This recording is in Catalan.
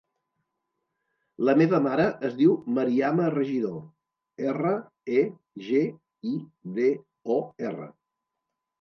La meva mare es diu Mariama Regidor: erra, e, ge, i, de, o, erra.